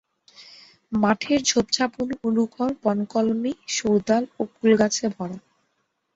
মাঠের ঝোপঝাপগুলো উলুখড়, বনকলমি, সৌদাল ও কুলগাছে ভরা।